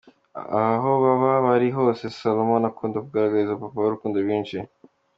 Aho baba bari hose Solomon akunda kugaragariza papa we urukundo rwinshi.